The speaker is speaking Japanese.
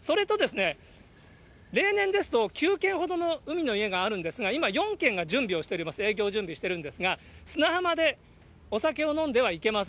それとですね、例年ですと、９軒ほどの海の家があるんですが、今、４軒が準備をしております、営業準備してるんですが、砂浜でお酒を飲んではいけません。